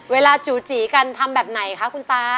จู่จีกันทำแบบไหนคะคุณตา